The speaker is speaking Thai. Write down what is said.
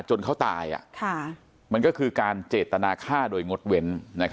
จนเขาตายมันก็คือการเจตนาฆ่าโดยงดเว้น